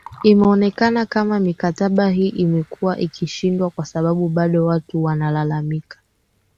imeonekana kama mikataba hii imekuwa ikishindwa kwa sababu bado watu wanalalamikia